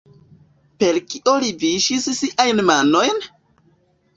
Per kio li viŝis siajn manojn?